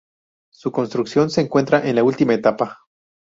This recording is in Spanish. Su construcción se encuentra en la última etapa.